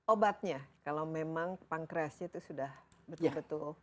obatnya kalau memang pankresnya itu sudah betul betul